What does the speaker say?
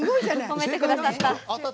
褒めてくださった。